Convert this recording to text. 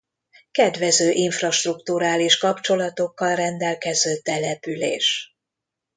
Kedvező infrastrukturális kapcsolatokkal rendelkező település.